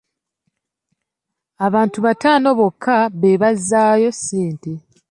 Abantu bataano bokka be bazzaayo ssente.